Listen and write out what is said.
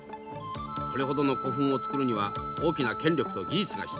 これほどの古墳を造るには大きな権力と技術が必要です。